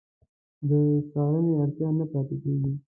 د څارنې اړتیا نه پاتې کېږي.